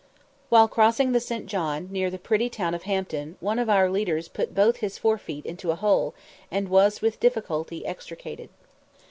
While crossing the St. John, near the pretty town of Hampton, one of our leaders put both his fore feet into a hole, and was with difficulty extricated.